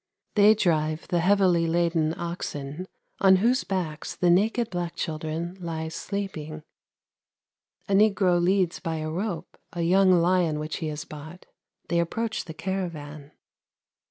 They drive the heavily laden oxen, on whose backs the naked black children lie sleeping. A negro leads by a rope a young lion which he has bought ; they approach the caravan.